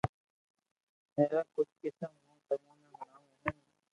ائرا ڪجھ قسم ھون تموني ھڻاوُ ھون